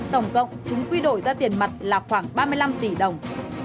tổng cộng chúng quy đổi ra tiền mặt là khoảng ba mươi năm tỷ đồng